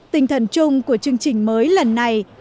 tinh thần chung của chương trình mới lần này